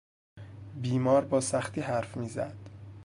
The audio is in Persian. بیمار با سختی حرف میزد.